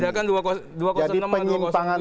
bedakan dua ratus enam dan dua ratus tujuh